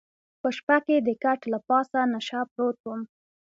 په شپه کې د کټ له پاسه نشه پروت وم.